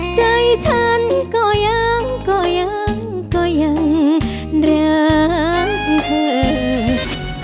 ใจฉันก็ยังก็ยังก็ยังก็ยังรักเธอ